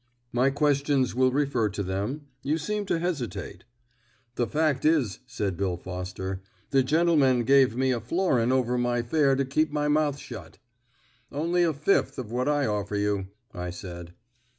"My questions will refer to them. You seem to hesitate." "The fact is," said Bill Foster, "the gentleman gave me a florin over my fare to keep my mouth shut." "Only a fifth of what I offer you," I said.